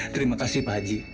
terima kasih pak haji